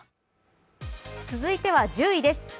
続いては１０位です。